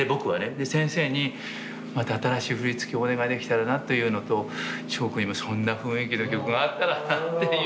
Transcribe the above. で先生にまた新しい振り付けをお願いできたらなというのと祥くんにもそんな雰囲気の曲があったらなっていう